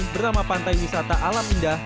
bernama pantai wisata alam indah